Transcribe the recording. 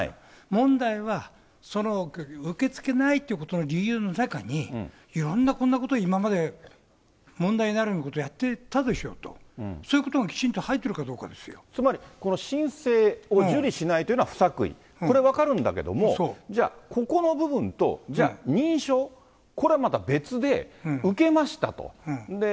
問題は、その受け付けないということの理由の中に、いろんな、こんなこと、今まで問題になるようなことやってたでしょと、そういうことがきちんと入っているかどうかでつまり、この申請を受理しないというのは不作為、これは分かるんだけども、じゃあ、ここの部分とじゃあ認証、これはまた別で、受けましたと。